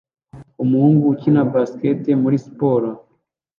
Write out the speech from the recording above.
Umuhungu ukina basketball muri siporo